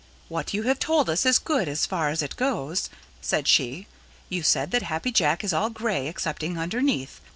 "What you have told us is good as far as it goes," said she. "You said that Happy Jack is all gray excepting underneath.